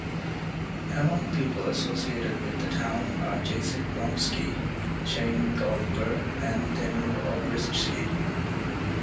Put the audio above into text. Among people associated with the town are Jacek Bromski, Chaim Goldberg, and Daniel Olbrychski.